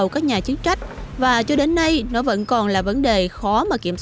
xin chào và hẹn gặp lại